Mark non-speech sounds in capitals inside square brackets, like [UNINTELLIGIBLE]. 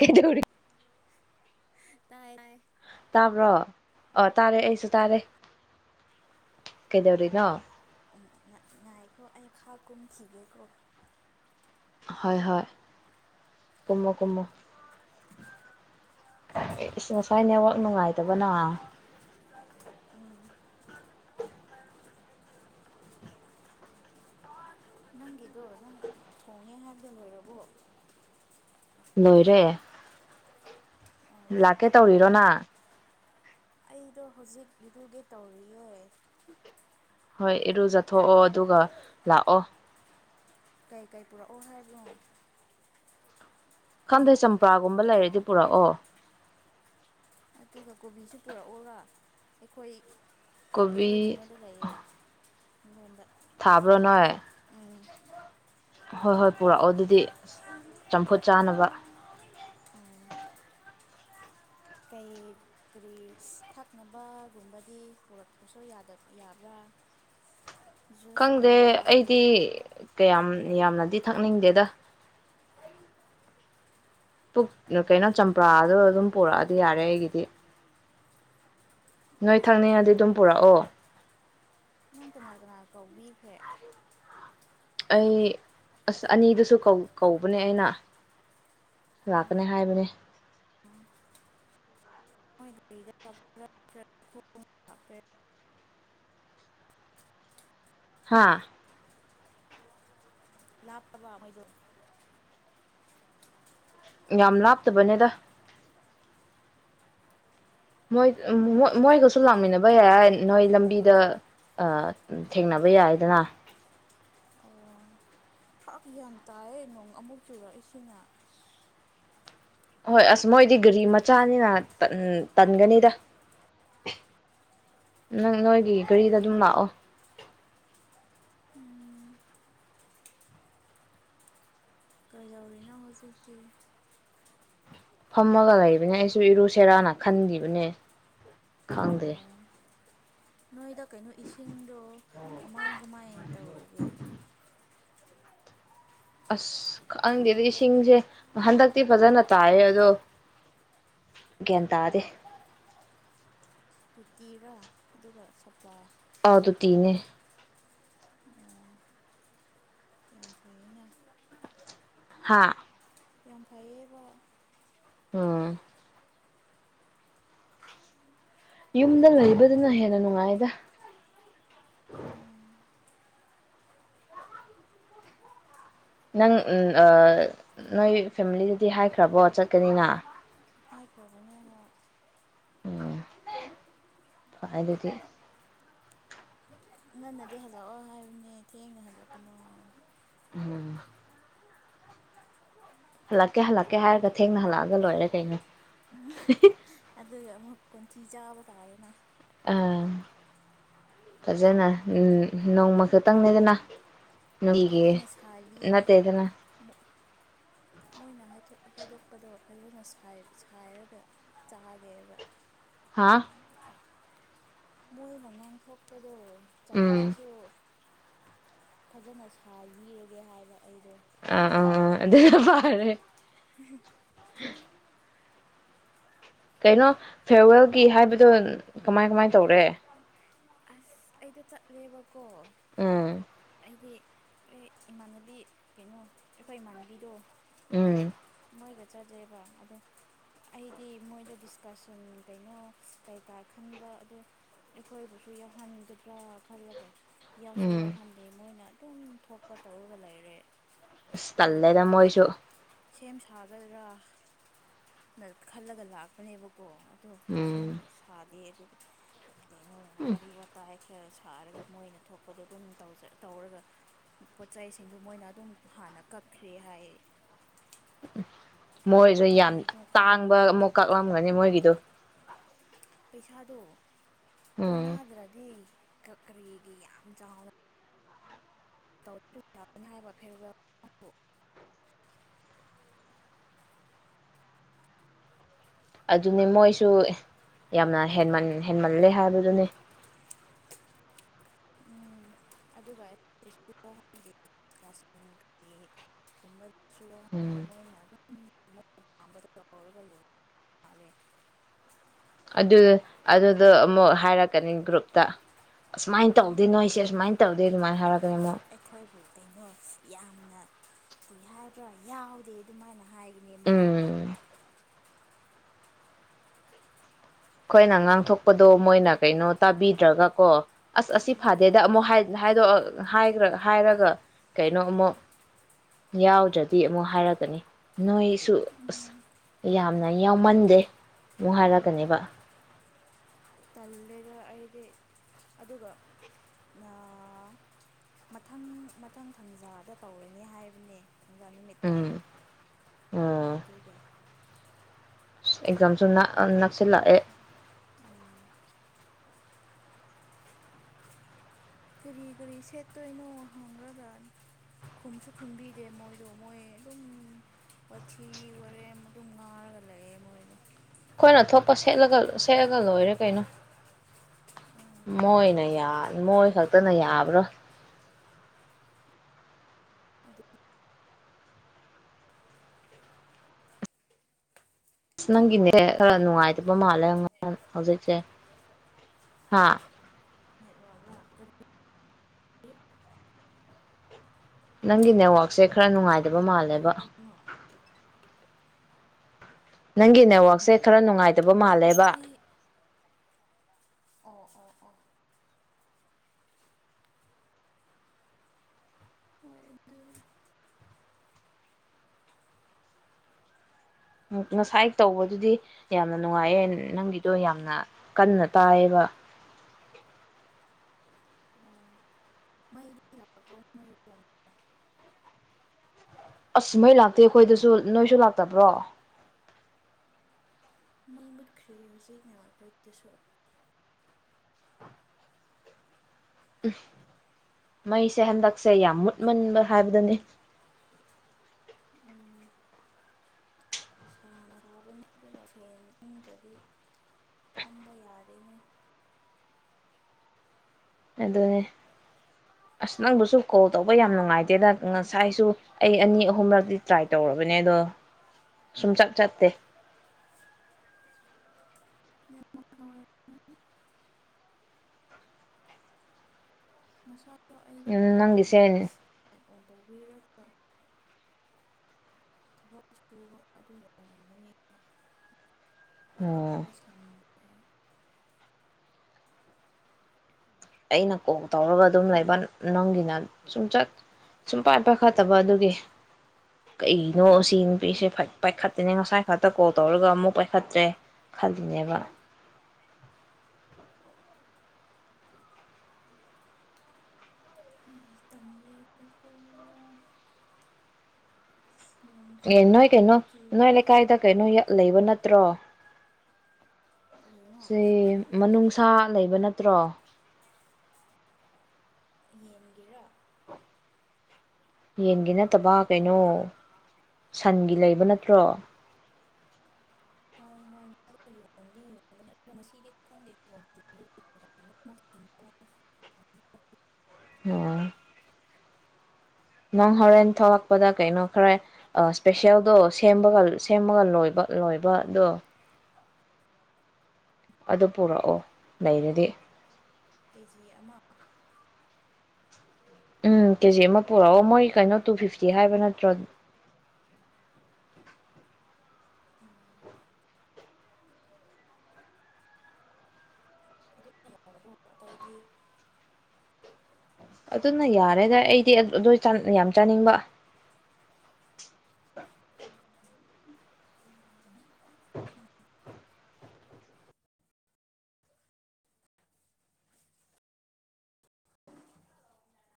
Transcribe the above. ꯀꯩꯗꯧꯔꯤ ꯇꯥꯏ ꯑꯥꯢ ꯇꯥꯕ꯭ꯔꯣ ꯑ ꯇꯥꯔꯦ ꯑꯩꯁꯨ ꯇꯥꯔꯦ ꯀꯩꯗꯧꯔꯤꯅꯣ ꯎꯝ ꯉꯥ ꯉꯥꯏꯈꯣ ꯑꯩ ꯈꯥ ꯀꯨꯝꯈꯤꯒꯦꯀꯣ ꯍꯣꯏ ꯍꯣꯏ ꯀꯨꯃꯣ ꯀꯨꯃꯣ ꯏꯁ ꯉꯁꯥꯏ ꯅꯦꯠꯋꯥꯛ ꯅꯨꯡꯉꯥꯏꯇꯕꯅ ꯎꯝ ꯅꯪꯒꯤꯗꯣ ꯅꯪ ꯊꯣꯡꯉꯦ ꯍꯥꯏꯕꯗꯣ ꯂꯣꯏꯔꯕꯣ ꯂꯣꯏꯔꯦ ꯑꯣ ꯂꯥꯛꯀꯦ ꯇꯧꯔꯤꯔꯣ ꯅꯪ ꯑꯩꯗꯣ ꯍꯧꯖꯤꯛ ꯏꯔꯨꯒꯦ ꯇꯧꯔꯤꯌꯦ ꯍꯣꯏ ꯏꯔꯨꯖꯊꯣꯛꯑꯣ ꯑꯗꯨꯒ ꯂꯥꯛꯑꯣ ꯀꯩꯀꯩ ꯄꯨꯔꯛꯑꯣ ꯍꯥꯏꯕꯅꯣ ꯈꯪꯗꯦ ꯆꯝꯄ꯭ꯔꯥꯒꯨꯝꯕ ꯂꯩꯔꯗꯤ ꯄꯨꯔꯛꯑꯣ ꯑꯗꯨꯒ ꯀꯣꯕꯤꯁꯨ ꯄꯨꯔꯛꯎꯔ ꯑꯩꯈꯣꯏ ꯀꯣꯕꯤ ꯑꯩꯈꯣꯏ ꯀꯩꯅꯣꯗ ꯂꯩꯌꯦ ꯑꯩꯉꯣꯟꯗ ꯊꯥꯕ꯭ꯔꯣ ꯅꯣꯏ ꯍꯣꯏ ꯍꯣꯏ ꯄꯨꯔꯛꯑꯣ ꯑꯗꯨꯗꯤ ꯑꯁ ꯆꯝꯐꯨꯠ ꯆꯥꯅꯕ ꯑꯣ ꯀꯩꯩ ꯀꯔꯤ ꯊꯛꯅꯕꯒꯨꯝꯕꯗꯤ ꯄꯨꯔꯛꯄꯁꯨ ꯌꯥꯗꯕꯤ ꯌꯥꯕꯔꯥ ꯈꯪꯗꯦ ꯑꯩꯗꯤ ꯀꯌꯥꯝ ꯌꯥꯝꯅꯗꯤ ꯊꯛꯅꯤꯡꯗꯦꯗ ꯄꯨ ꯅ ꯀꯩꯅꯣ ꯆꯝꯄ꯭ꯔꯥꯗ ꯑꯗꯨꯝ ꯄꯨꯔꯛꯑꯗꯤ ꯌꯥꯔꯦ ꯑꯩꯒꯤꯗꯤ ꯅꯣꯏ ꯊꯛꯅꯤꯡꯉꯗꯤ ꯑꯗꯨꯝ ꯄꯨꯔꯛꯑꯣ ꯅꯪ ꯀꯅꯥ ꯀꯅꯥ ꯀꯧꯕꯤꯈ꯭ꯔꯦ ꯑꯩ ꯑꯁ ꯑꯅꯤꯗꯨꯁꯨ ꯀꯧꯕꯅꯦ ꯑꯩꯅ ꯂꯥꯛꯀꯅꯦ ꯍꯥꯏꯕꯅꯦ [UNINTELLIGIBLE] ꯍꯥꯥ ꯂꯥꯞꯄꯕꯥ ꯃꯣꯏꯗꯣ ꯌꯥꯝ ꯂꯥꯞꯇꯕꯅꯦꯗ ꯃꯣꯏ ꯃ ꯃꯣꯏ ꯒꯥꯁꯨ ꯂꯞꯃꯤꯟꯅꯕ ꯕ ꯌꯥꯏ ꯅꯣꯏ ꯂꯝꯕꯤꯗ ꯑ ꯊꯦꯡꯅꯕ ꯌꯥꯏꯗꯅ ꯐꯀ ꯌꯥꯝ ꯇꯥꯏꯌꯦ ꯅꯣꯡ ꯑꯃꯨꯛ ꯆꯨꯔꯛꯏꯁꯤꯅ ꯑꯁ ꯍꯣꯏ ꯑꯁ ꯃꯣꯏꯗꯤ ꯒꯥꯔꯤ ꯃꯆꯥꯅꯤꯅ ꯇꯟꯒꯅꯤꯗ ꯅꯪ ꯅꯣꯏꯒꯤ ꯒꯥꯔꯤꯗ ꯑꯗꯨꯝ ꯂꯥꯛꯑꯣ ꯎꯝ ꯀꯩꯗꯧꯔꯤꯅꯣ ꯍꯧꯖꯤꯛꯇꯤ ꯐꯝꯃꯒ ꯂꯩꯕꯅꯦ ꯑꯩꯁꯨ ꯏꯔꯨꯁꯦꯔꯥꯅ ꯈꯟꯒꯤꯕꯅꯦ ꯈꯪꯗꯦ ꯅꯣꯏꯗ ꯀꯩꯅꯣ ꯏꯁꯤꯡꯗꯣ ꯀꯃꯥꯏ ꯀꯃꯥꯏ ꯇꯧꯔꯒꯦ ꯑꯁ ꯈꯪꯗꯦꯗ ꯏꯁꯤꯡꯁꯦ ꯍꯟꯗꯛꯇꯤ ꯐꯖꯅ ꯇꯥꯏꯌꯦ ꯑꯗꯣ ꯒ꯭ꯌꯥꯟ ꯇꯥꯗꯦ ꯇꯨꯇꯤꯔꯥ ꯑꯗꯨꯒ ꯁꯄ꯭ꯂꯥꯏ ꯑ ꯇꯨꯇꯤꯡꯉꯦ ꯑꯣ ꯌꯥꯝ ꯐꯩꯌꯦꯅ ꯍꯥꯥ ꯌꯥꯝ ꯐꯩꯌꯦꯕ ꯑꯥ ꯌꯨꯝꯗ ꯂꯩꯕꯗꯨꯅ ꯍꯦꯟꯅ ꯅꯨꯡꯉꯥꯏꯌꯦꯗ ꯎꯝ ꯅꯪ ꯅꯣꯏ ꯐꯦꯃꯤꯂꯤꯗꯗꯤ ꯍꯥꯏꯈ꯭ꯔꯕꯣ ꯆꯠꯀꯅꯤꯅ ꯍꯥꯏꯈ꯭ꯔꯕꯅꯦ ꯍꯣꯏ ꯎꯝ ꯐꯥꯏ ꯑꯗꯨꯗꯤ ꯉꯟꯅꯗꯤ ꯍꯜꯂꯛꯑꯣ ꯍꯥꯏꯕꯅꯦ ꯊꯦꯡꯅ ꯍꯜꯂꯛꯀꯅꯣ ꯍꯥꯏ ꯎꯝ ꯍꯜꯂꯛꯀꯦ ꯍꯜꯂꯛꯀꯦ ꯍꯥꯏꯔꯒ ꯊꯦꯡꯅ ꯍꯜꯂꯛꯑꯒ ꯂꯣꯏꯔꯦ ꯀꯩꯅꯣ ꯎꯝꯍꯨ ꯑꯗꯨꯨꯒ ꯑꯃꯨꯛ ꯀꯣꯟꯊꯤ ꯆꯥꯕ ꯇꯥꯔꯦꯅ ꯎꯝ ꯐꯖꯅ ꯎꯝ ꯅꯣꯡꯃ ꯈꯛꯇꯪꯅꯦꯗꯅ ꯐꯖꯅ ꯁꯥꯏꯕꯤꯒꯦ ꯑꯃꯨꯛ ꯃꯣꯏꯅ ꯍꯥꯏꯗꯣ ꯍꯥꯏꯗꯣꯛꯄꯗꯣ ꯐꯖꯅ ꯁꯥꯏ ꯁꯥꯏꯔꯒ ꯆꯥꯒꯦꯕ ꯋꯥ ꯃꯣꯏꯅ ꯉꯥꯡ ꯊꯣꯛꯄꯗꯣ ꯎꯝ ꯆꯩꯔꯁꯨ ꯐꯖꯅ ꯁꯥꯏꯕꯤꯔꯒꯦ ꯍꯥꯏꯕ ꯑꯩꯗꯣ ꯑ ꯑꯥ ꯑꯥ ꯑꯗꯨ ꯐꯔꯦ ꯍꯨ ꯍꯨ ꯀꯩꯅꯣ ꯐꯦꯌꯔꯋꯦꯜꯒꯤ ꯍꯥꯏꯕꯗꯣ ꯀꯃꯥꯏ ꯀꯃꯥꯏ ꯇꯧꯔꯦ ꯑꯁ ꯑꯩꯗꯤ ꯆꯠꯂꯦꯕꯀꯣ ꯎꯝ ꯑꯩꯗꯤ ꯑꯦ ꯏꯃꯥꯟꯅꯕꯤ ꯀꯩꯅꯣ ꯑꯩꯈꯣꯏ ꯏꯃꯥꯟꯅꯕꯤꯗꯣ ꯎꯝ ꯃꯣꯏꯒ ꯆꯠꯂꯦꯕ ꯑꯗ ꯑꯩꯗꯤ ꯃꯣꯏꯗ ꯗꯤꯁꯀꯁꯟ ꯀꯩꯅꯣ ꯀꯩꯀꯥ ꯈꯟꯕ ꯑꯗꯨ ꯑꯩꯈꯣꯏꯕꯨꯁꯨ ꯌꯥꯎꯍꯥꯟꯒꯗ꯭ꯔꯥ ꯈꯜꯂꯒ ꯌꯥꯎꯁꯨ ꯎꯝ ꯌꯥꯎꯍꯟꯗꯦ ꯃꯣꯏꯅ ꯗꯨꯝ ꯊꯣꯛꯄ ꯇꯧꯔꯒ ꯂꯩꯔꯦ ꯑꯁ ꯑꯗꯨ ꯇꯂꯦꯗꯥ ꯃꯣꯏꯁꯨ ꯁꯦꯝ ꯁꯥꯒꯗ꯭ꯔꯥ ꯅ ꯈꯜꯂꯒ ꯂꯥꯛꯄꯅꯦꯕꯀꯣ ꯑꯗꯣ ꯎꯝ ꯁꯦꯝ ꯎꯝ ꯁꯥꯗꯦ ꯑꯗꯨ ꯀꯩꯅꯣ ꯋꯥꯔꯤ ꯋꯥꯇꯥꯏ ꯈꯔ ꯁꯥꯔꯒ ꯃꯣꯏꯅ ꯊꯣꯛꯄꯗꯣ ꯑꯗꯨꯝ ꯇꯧꯆ ꯇꯧꯔꯒ ꯄꯣꯠꯆꯩꯁꯤꯡꯗꯨ ꯃꯣꯏꯅ ꯑꯗꯨꯝ ꯍꯥꯟꯅ ꯀꯛꯈ꯭ꯔꯦ ꯍꯥꯏꯌꯦ ꯎꯝ ꯃꯣꯏꯁꯨ ꯌꯥꯝ ꯇꯥꯡꯕ ꯈꯪꯗꯦ ꯑꯃꯨꯛ ꯀꯛꯂꯝꯒꯅꯤ ꯃꯣꯏꯒꯤꯗꯣ ꯄꯩꯁꯥꯗꯣ ꯎꯝ ꯀꯣꯟꯅꯥꯗ꯭ꯔꯗꯤ ꯀꯞ ꯀꯔꯤꯒꯤ ꯌꯥꯝ ꯆꯥꯎꯅ [UNINTELLIGIBLE] ꯑꯗꯨꯅꯤ ꯃꯣꯏꯁꯨ ꯌꯥꯝꯅ ꯍꯦꯟꯃꯝ ꯍꯦꯟꯃꯜꯂꯦ ꯍꯥꯏꯕꯗꯨꯅꯦ ꯎꯝ ꯑꯗꯨꯒ ꯎꯝ [UNINTELLIGIBLE] ꯑꯗꯨ ꯑꯗꯨꯗꯣ ꯑꯃꯨꯛ ꯍꯥꯏꯔꯛꯀꯅꯤ ꯒ꯭ꯔꯨꯞꯇ ꯑꯁꯨꯃꯥꯏ ꯇꯧꯗꯦ ꯅꯣꯏꯁꯦ ꯑꯁꯨꯃꯥꯏ ꯇꯧꯗꯦ [UNINTELLIGIBLE] ꯑꯩꯈꯣꯏꯕꯨ ꯀꯩꯅꯣ ꯌꯥꯝꯅ ꯀꯩ ꯍꯥꯏꯕ꯭ꯔꯥ ꯌꯥꯎꯗꯦ ꯑꯗꯨꯃꯥꯏꯅ ꯍꯥꯏ ꯅꯩ ꯑꯃꯨꯛꯀ ꯎꯝ ꯑꯩꯈꯣꯏꯅ ꯉꯥꯡꯊꯣꯛꯄꯗꯣ ꯃꯣꯏꯅ ꯀꯩꯅꯣ ꯇꯥꯕꯤꯗ꯭ꯔꯒ ꯀꯣ ꯑꯁ ꯑꯁꯤ ꯐꯥꯗꯦꯗ ꯑꯃꯨꯛ ꯍꯥꯏ ꯍꯥꯏꯗꯣꯛꯑ ꯍꯥꯏꯈ꯭ꯔ ꯍꯥꯏꯔꯒ ꯀꯩꯅꯣ ꯑꯃꯨꯛ ꯌꯥꯎꯗ꯭ꯔꯗꯤ ꯑꯃꯨꯛ ꯍꯥꯏꯔꯛꯀꯅꯤ ꯅꯣꯏ ꯁꯨ ꯑꯁ ꯎꯝ ꯌꯥꯝ ꯌꯥꯝꯅ ꯌꯥꯎꯃꯟꯗꯦ ꯑꯃꯨꯛ ꯍꯥꯏꯔꯛꯀꯅꯦꯕ ꯇꯜꯂꯦꯗ ꯑꯩꯗꯤ ꯑꯗꯨꯒ ꯅꯥ ꯃꯊꯪ ꯃꯊꯪ ꯊꯪꯖꯥꯗ ꯇꯧꯔꯅꯤ ꯍꯥꯏꯕꯅꯦ ꯊꯪꯖꯥ ꯅꯨꯃꯤꯠꯇ ꯎꯝ ꯑꯗꯨꯒ ꯏꯁ ꯑꯦꯛꯖꯥꯝꯁꯨ ꯅꯥꯛ ꯑ ꯅꯥꯛꯁꯤꯂꯛꯑꯦ ꯀꯔꯤ ꯀꯔꯤ ꯁꯦꯠꯇꯣꯏꯅꯣ ꯍꯥꯡꯒ꯭ꯔꯒ ꯈꯨꯝꯁꯨ ꯈꯨꯝꯕꯤꯗꯦ ꯃꯣꯏꯗꯣ ꯃꯣꯏ ꯑꯗꯨꯝ ꯋꯥꯊꯤ ꯋꯥꯔꯦꯝ ꯑꯗꯨꯝ ꯉꯥꯔꯒ ꯂꯩꯌꯦ ꯃꯣꯏꯗꯣ ꯑꯩꯈꯣꯏꯅ ꯊꯣꯛꯄ ꯁꯦꯠꯂꯒ ꯁꯦꯠꯂꯒ ꯂꯣꯏꯔꯦ ꯀꯩꯅꯣ ꯎꯝ ꯃꯣꯏꯅ ꯌꯥ ꯃꯣꯏ ꯈꯛꯇꯅ ꯌꯥꯕ꯭ꯔꯣ ꯑꯗꯨ ꯑꯁ ꯅꯪꯒꯤ ꯅꯦꯠ ꯈꯔ ꯇꯟꯗꯤ ꯅꯨꯡꯉꯥꯏꯇꯕ ꯇꯟꯂꯦ ꯃꯥꯜꯂꯦ ꯑꯩꯀꯣ ꯍ ꯍꯧꯖꯤꯛꯁꯦ ꯍꯥ ꯅꯦꯠꯋꯥꯛꯔꯥ ꯀꯔꯤ ꯀꯔꯤ ꯅꯪꯒꯤ ꯅꯦꯠꯋꯥꯛꯁꯦ ꯈꯔ ꯅꯨꯡꯉꯥꯏꯇꯕ ꯃꯥꯜꯂꯦ ꯕ ꯍꯥꯏꯕꯅꯣ ꯅꯪꯒꯤ ꯅꯦꯠꯋꯥꯛꯁꯦ ꯈꯔ ꯅꯨꯡꯉꯥꯏ ꯇꯕ ꯃꯥꯜꯂꯦꯕ ꯑꯩ ꯑꯣ ꯑꯣ ꯑꯣ ꯍꯣꯏ ꯑꯗꯨꯗꯤ ꯉꯁꯥꯏ ꯇꯧꯕꯗꯨꯗꯤ ꯌꯥꯝꯅ ꯅꯨꯡꯉꯥꯏꯌꯦ ꯅꯪꯒꯤꯗꯣ ꯌꯥꯝꯅ ꯀꯟꯅ ꯇꯥꯏꯌꯦꯕ ꯑꯣ ꯑꯣ ꯃꯩ ꯂꯛꯄꯔꯣ ꯅꯣꯏꯕꯨ ꯑꯁꯃꯩ ꯂꯥꯛꯇꯦ ꯑꯩꯈꯣꯏꯗꯁꯨ ꯅꯣꯏꯁꯨ ꯂꯥꯛꯇꯕ꯭ꯔꯣ ꯃꯩꯃꯨꯠꯈ꯭ꯔꯦ ꯍꯧꯖꯤꯛ ꯅꯍꯥ ꯍꯣꯏꯇꯁꯨ ꯎꯨ ꯃꯩꯁꯦ ꯍꯟꯗꯛꯁꯦ ꯌꯥꯝ ꯃꯨꯠꯃꯟꯕ ꯍꯥꯏꯕꯗꯨꯅꯤ ꯁꯥꯅ ꯁꯥꯕꯅꯦ ꯑꯗꯨꯒ ꯐꯦꯟ ꯑꯨꯡꯗ꯭ꯔꯗꯤ ꯐꯝꯕ ꯌꯥꯗꯦꯅꯦ ꯑꯗꯨꯅꯦ ꯑꯁ ꯅꯪꯕꯨꯁꯨ ꯀꯣꯜ ꯇꯧꯕ ꯌꯥꯝ ꯅꯨꯡꯉꯥꯏꯇꯦꯗ ꯉꯁꯥꯏꯁꯨ ꯑꯩ ꯑꯅꯤ ꯑꯍꯨꯝꯂꯛꯇꯤ ꯇ꯭ꯔꯥꯏ ꯇꯧꯔꯕꯅꯦ ꯑꯗꯣ ꯁꯨꯡꯆꯠ ꯆꯠꯇꯦ [UNINTELLIGIBLE] ꯉꯥꯁꯥꯏ ꯑꯗꯣ ꯑꯩꯗꯣ ꯈꯔ ꯀꯩꯅꯣ ꯅꯪꯒꯤꯁꯦ ꯇꯧꯕꯤꯔꯛꯇ ꯊꯕꯛ ꯁꯨꯕ ꯑꯗꯨꯒꯤ ꯑꯣꯏꯔꯝꯒꯅꯤ [UNINTELLIGIBLE] ꯑꯩꯅ ꯀꯣꯜ ꯇꯧꯔꯒ ꯑꯗꯨꯝ ꯂꯩꯕ ꯅꯪꯒꯤꯅ ꯁꯨꯡꯆꯠ ꯁꯨꯡ ꯄꯥꯏ ꯄꯥꯏꯈꯠꯇꯕ ꯑꯗꯨꯒꯤ ꯀꯩꯅꯣ ꯁꯤ ꯅꯨꯄꯤꯁꯦ ꯐꯠ ꯄꯥꯏꯈꯠꯇꯅꯦ ꯉꯁꯥꯏ ꯈꯛꯇ ꯀꯣꯜ ꯇꯧꯔꯒ ꯑꯃꯨꯛ ꯄꯥꯏꯈꯠꯇ꯭ꯔꯦ ꯈꯜꯂꯤꯅꯦꯕ ꯑꯩ ꯇꯟꯂꯦꯗꯀꯣ ꯑꯦ ꯅꯣꯏ ꯀꯩꯅꯣ ꯅꯣꯏ ꯂꯩꯀꯥꯏꯗ ꯀꯩꯅꯣ ꯂꯩꯕ ꯅꯠꯇ꯭ꯔꯣ ꯀꯔꯤꯅꯣ ꯁꯤ ꯃꯅꯨꯡꯁꯥ ꯂꯩꯕ ꯅꯠ ꯨ ꯇ꯭ꯔꯣ ꯌꯦꯟꯒꯤꯔ ꯌꯦꯟꯒꯤ ꯅꯠꯇꯕ ꯀꯩꯅꯣ ꯁꯟꯒꯤ ꯂꯩꯕ ꯅꯠꯇ꯭ꯔꯣ [UNINTELLIGIBLE] ꯑꯣ ꯅꯪ ꯍꯣꯔꯦꯟ ꯊꯣꯛꯂꯛꯄꯗ ꯀꯩꯅꯣ ꯈꯔ ꯏꯁꯄꯤꯁꯦꯜꯗꯣ ꯁꯦꯝꯕꯒ ꯁꯦꯝꯃꯒ ꯂꯣꯏꯕ ꯂꯣꯏꯕꯗꯣ ꯑꯗꯨ ꯄꯨꯔꯛꯑꯣ ꯂꯩꯔꯗꯤ ꯀꯦꯖꯤ ꯑꯃ ꯎꯝ ꯀꯦꯖꯤ ꯑꯃ ꯄꯨꯔꯛꯑꯣ ꯃꯣꯏ ꯀꯩꯅꯣ ꯇꯨ ꯐꯤꯞꯇꯤ ꯍꯥꯏꯕ ꯅꯠꯇ꯭ꯔꯣ [INAUDIBLE] ꯑꯗꯨꯅ ꯌꯥꯔꯦꯗ ꯑꯩꯗꯤ ꯑꯗꯨ ꯆꯥ ꯌꯥꯝ ꯆꯥꯅꯤꯡꯕ [INAUDIBLE]